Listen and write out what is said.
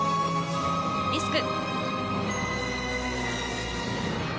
リスク。